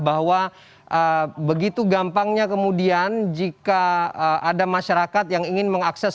bahwa begitu gampangnya kemudian jika ada masyarakat yang ingin mengakses